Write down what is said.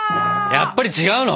やっぱり違うの？